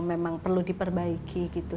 memang perlu diperbaiki gitu